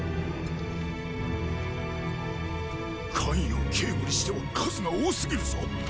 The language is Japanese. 咸陽警護にしては数が多すぎるぞ。